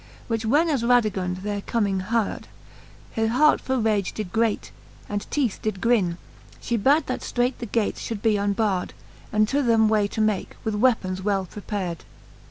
Which when as Radtgund there comming heard, Her heart for rage did grate, and teeth did grin ; She bad that ftreight the gates fliould be unbard. And to them way .to make, with weapons well prepard.